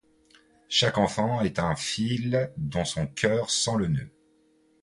Chaque enfant est un fil dont son cœur sent le nœud.